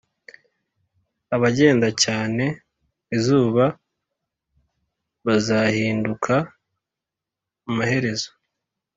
abagenda cyane izuba bazahinduka amaherezo